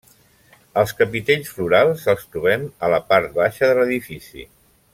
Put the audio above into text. Els capitells florals els trobem a la part baixa de l'edifici.